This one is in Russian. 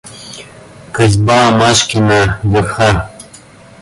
Косьба Машкина Верха.